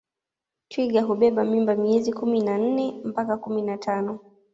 Twiga hubeba mimba miezi kumi na nne mpaka kumi na tano